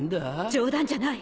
冗談じゃない！